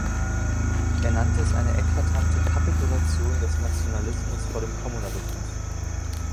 Er nannte es eine eklatante „Kapitulation des Nationalismus vor dem Kommunalismus“.